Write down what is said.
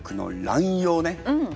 うん。